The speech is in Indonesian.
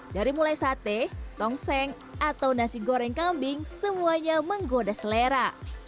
dari mulai sate tongseng atau nasi goreng kambing semuanya menggoda selera